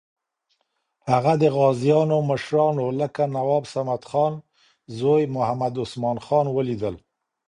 هغه د غازیانو مشرانو لکه نواب صمدخان زوی محمد عثمان خان ولیدل.